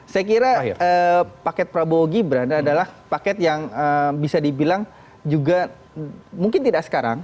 saya kira paket prabowo gibran adalah paket yang bisa dibilang juga mungkin tidak sekarang